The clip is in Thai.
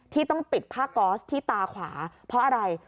ที่ต้องปิดผ้าก๊อสที่ตาขวาเพราะอะไร